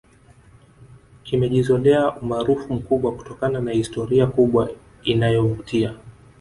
kimejizolea umaarufu mkubwa kutokana na historia kubwa inayovutia